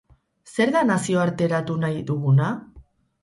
Zer da nazioarteratu nahi duguna?